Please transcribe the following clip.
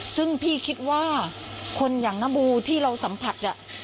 ซึ่งพี่คิดว่าคนอย่างนบูที่เราสัมผัส